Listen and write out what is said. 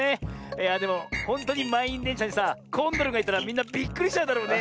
いやでもほんとうにまんいんでんしゃにさコンドルがいたらみんなびっくりしちゃうだろうね。